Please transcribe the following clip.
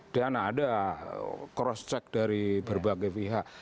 dan ada cross check dari berbagai pihak